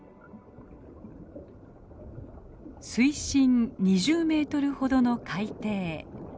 水深２０メートルほどの海底。